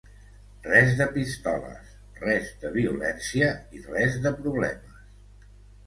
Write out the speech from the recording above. Res de pistoles, res de violència, i res de problemes.